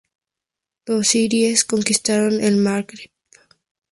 Los Ziríes conquistaron el Magreb.